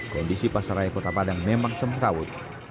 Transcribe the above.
kondisi pasaraya kota padang memang semrawut